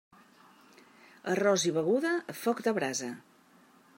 Arròs i beguda, foc de brasa.